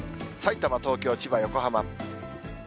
さいたま、東京、千葉、横浜。